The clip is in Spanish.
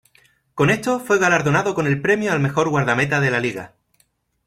Con esto, fue galardonado con el premio al Mejor Guardameta de la Liga.